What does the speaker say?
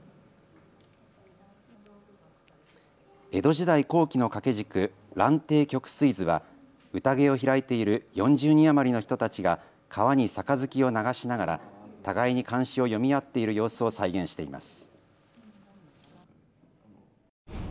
江戸時代後期の掛け軸、蘭亭曲水図はうたげを開いている４０人余りの人たちが川に杯を流しながら互いに漢詩を詠み合っている様子を再現しています。